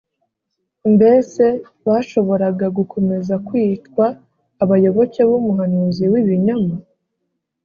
mbese bashoboraga gukomeza kwitwa abayoboke b’umuhanuzi w’ibinyoma?